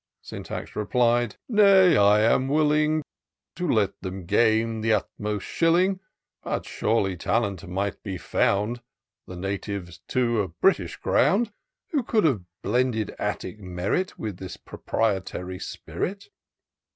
Syntax replied: —" Nay, I am willing To let them gain the utmost shilling; But surely talent might be found, (The natives, too, of British ground,) Who could have blended Attic merit With this proprietary spirit."